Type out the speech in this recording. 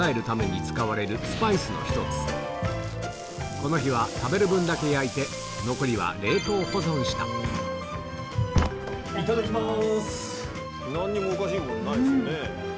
この日は食べる分だけ焼いて残りは冷凍保存したいただきます。